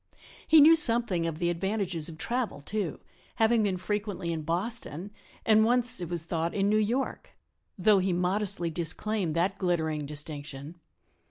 He knew something of the advantages of travel, too, having been frequently in Boston , and once, it was thought, in New York , though he modestly disclaimed that glittering distinction.